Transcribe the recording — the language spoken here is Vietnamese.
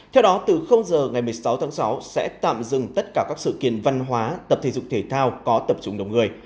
theo đó từ giờ ngày một mươi sáu tháng sáu sẽ tạm dừng tất cả các sự kiện văn hóa tập thể dục thể thao có tập trung đông người